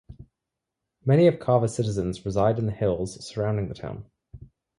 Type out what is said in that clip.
Many of Cava's citizens reside in the hills surrounding the town.